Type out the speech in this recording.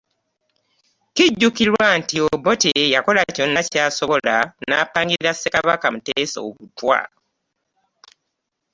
Kijjukirwa nti Obote yakola kyonna ekisoboka n'apangira Ssekabaka Muteesa obutwa.